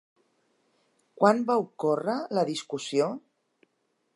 Quan va ocórrer la discussió?